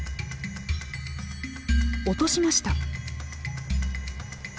落としました。